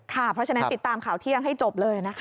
เพราะฉะนั้นติดตามข่าวเที่ยงให้จบเลยนะคะ